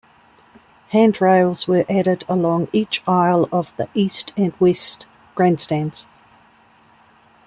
Hand rails were added along each aisle of the east and west grandstands.